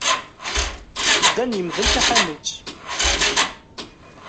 Dan yemdel taḥanut.